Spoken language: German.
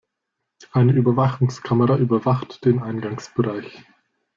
Eine Überwachungskamera überwacht den Eingangsbereich.